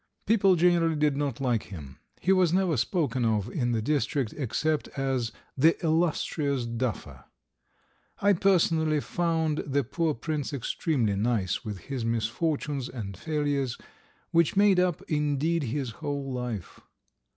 People generally did not like him (he was never spoken of in the district, except as "the illustrious duffer"). I personally found the poor prince extremely nice with his misfortunes and failures, which made up indeed his whole life.